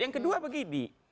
yang kedua begini